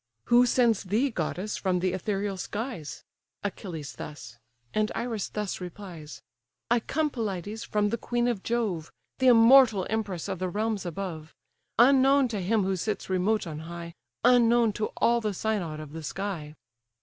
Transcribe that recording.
"Who sends thee, goddess, from the ethereal skies?" Achilles thus. And Iris thus replies: "I come, Pelides! from the queen of Jove, The immortal empress of the realms above; Unknown to him who sits remote on high, Unknown to all the synod of the sky."